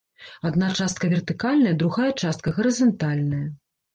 Адна частка вертыкальная, другая частка гарызантальная.